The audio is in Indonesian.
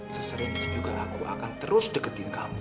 seseringnya juga aku akan terus deketin kamu